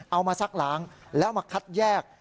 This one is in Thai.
เอามาซักหลังแล้วมาคัดแยก